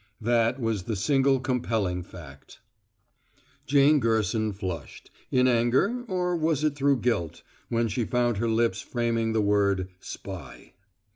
That was the single compelling fact. Jane Gerson flushed in anger, or was it through guilt? when she found her lips framing the word "spy"!